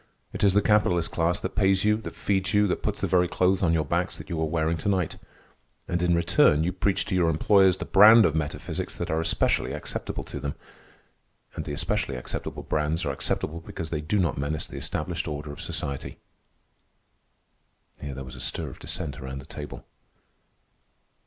It is the capitalist class that pays you, that feeds you, that puts the very clothes on your backs that you are wearing to night. And in return you preach to your employers the brands of metaphysics that are especially acceptable to them; and the especially acceptable brands are acceptable because they do not menace the established order of society." Here there was a stir of dissent around the table.